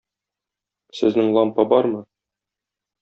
Сезнең лампа бармы?